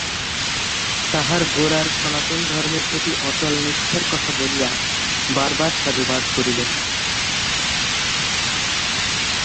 তাঁহার গোরার সনাতন ধর্মের প্রতি অচল নিষ্ঠার কথা বলিয়া বার বার সাধুবাদ করিলেন।